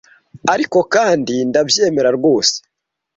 Ariko kandi ndabyemera rwose